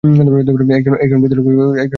একজন বৃদ্ধ লোক যিনি দেখেছেন!